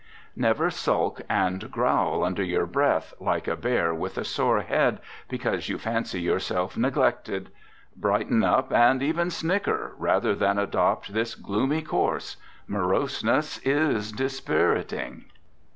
Never sulk and growl under your breath, like a bear with a sore head, because you fancy yourself neglected. Brighten up, and even snicker, rather than adopt this gloomy course. Moroseness is dispiriting.